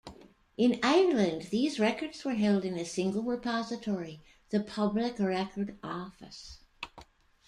In Ireland, these records were held in a single repository, the Public Record Office.